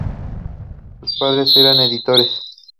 Sus padres eran editores.